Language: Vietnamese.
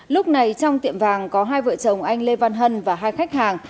lúc này trong tiệm vàng có hai vợ chồng anh lê văn hân và hai khách hàng